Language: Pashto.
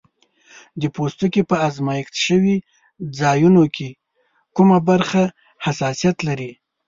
د پوستکي په آزمېښت شوي ځایونو کې کومه برخه حساسیت لري؟